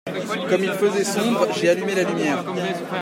Comme il faisait sombre, j’ai allumé la lumière.